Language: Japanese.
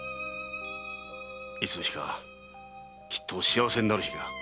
いつの日かきっと幸せになる日が。